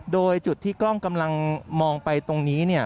โดยจุดที่กล้องกำลังมองไปตรงนี้